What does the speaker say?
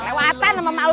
mertua apaan lu